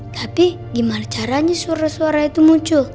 tapi gimana caranya suara suara itu muncul